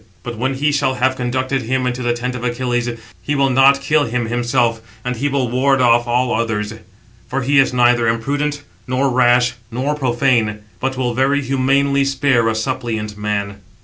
But when he shall have conducted him into the tent of Achilles, he will not kill him himself, and he will ward off all others; for he is neither imprudent, nor rash, nor profane; but will very humanely spare a suppliant man."